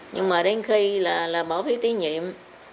nhưng mà đến khi là bỏ phiếu tiến nhiệm